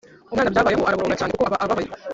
Umwana byabayeho araboroga cyane kuko aba ababaye